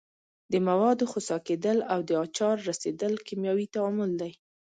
د موادو خسا کیدل او د آچار رسیدل کیمیاوي تعامل دي.